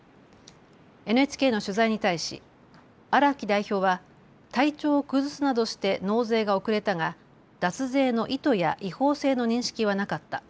ＮＨＫの取材に対し荒木代表は体調を崩すなどして納税が遅れたが脱税の意図や違法性の認識はなかった。